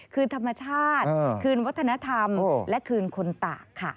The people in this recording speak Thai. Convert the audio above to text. คืนธรรมชาติคืนวัฒนธรรมและคืนคนตากค่ะ